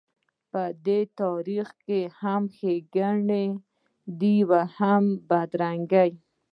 په دې تاریخ کې هم ښېګڼې دي هم بدرنګۍ.